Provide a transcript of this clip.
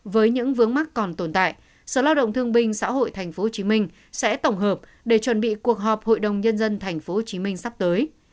với những vướng mắc còn tồn tại sở lao động thương binh xã hội tp hcm sẽ tổng hợp để chuẩn bị cuộc họp hội đồng nhân dân tp hcm sắp tới